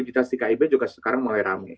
soliditas di kib juga sekarang mulai rame